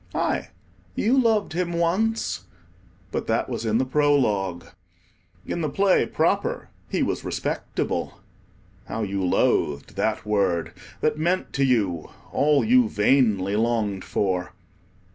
aye, you loved him once—but that was in the Prologue. In the Play proper, he was respectable. (How you loathed that word, that meant to you all you vainly longed for!)